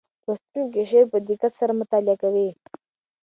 لوستونکی شعر په دقت سره مطالعه کوي.